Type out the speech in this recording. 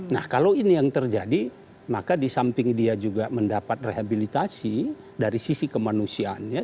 nah kalau ini yang terjadi maka di samping dia juga mendapat rehabilitasi dari sisi kemanusiaannya